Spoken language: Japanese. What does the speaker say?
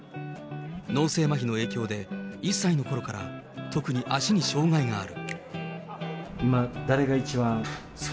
脳性まひの影響で、１歳のころから特に足に障害がある。